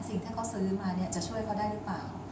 สิ่งที่เขาซื้อมาเนี่ยจะช่วยเขาได้หรือเปล่า